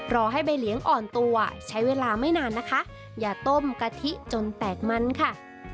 ให้ใบเลี้ยงอ่อนตัวใช้เวลาไม่นานนะคะอย่าต้มกะทิจนแตกมันค่ะ